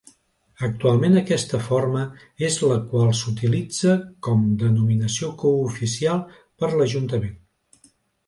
Actualment aquesta forma és la qual s'utilitza com denominació cooficial per l'ajuntament.